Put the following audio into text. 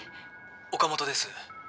「岡本です」